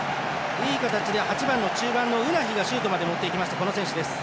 いい形で８番の中盤のウナヒがシュートまで持っていきました。